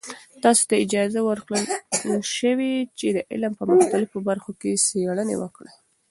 تاسې ته اجازه ورکړل شوې چې د علم په مختلفو برخو کې څیړنې وکړئ.